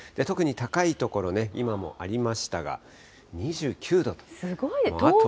特に高い所、今もありましたが、２９度と。